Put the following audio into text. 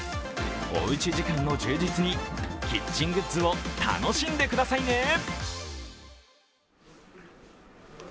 おうち時間の充実にキッチングッズを楽しんでくださいね。